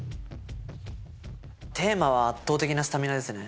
テーマは圧倒的なスタミナですね。